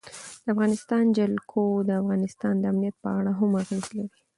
د افغانستان جلکو د افغانستان د امنیت په اړه هم اغېز لري.